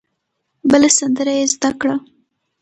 بله سندره یې زده کړه.